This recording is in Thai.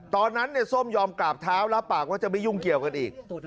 ตอนนั้นส้มยอมกราบเท้ารับปากว่าจะไม่ยุ่งเกี่ยวกันอีก